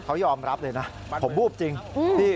เขายอมรับเลยนะผมวูบจริง